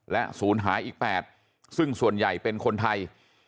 และศูนย์หายอีก๘ซึ่งส่วนใหญ่เป็นคนไทย